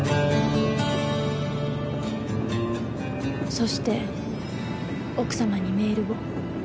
そして奥様にメールを。